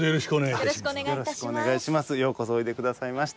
よろしくお願いします。